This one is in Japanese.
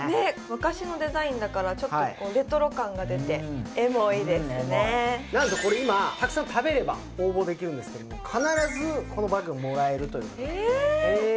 昔のデザインだからちょっとレトロ感が出てエモいですね何とこれ今たくさん食べれば応募できるんですけども必ずこのバッグもらえるというええ！？